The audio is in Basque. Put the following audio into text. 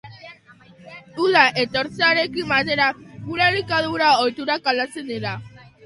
Uda etortzearekin batera, gure elikadura ohiturak aldatzen dira.